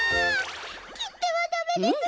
きってはダメです。